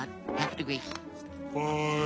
はい！